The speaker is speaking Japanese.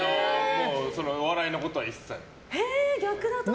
お笑いのことは一切。